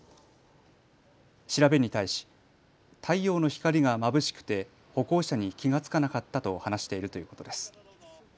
調べに対し太陽の光がまぶしくて歩行者に気が付かなかったと話しているということです。